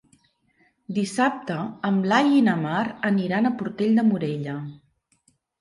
Dissabte en Blai i na Mar aniran a Portell de Morella.